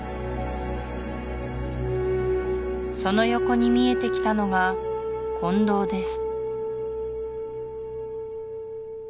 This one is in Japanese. その横に見えてきたのが金堂です